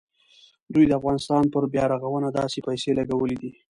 دوی د افغانستان پر بیارغونه دا پیسې لګولې دي.